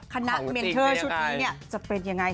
คณะเมนเทอร์ชุดนี้จะเป็นยังไง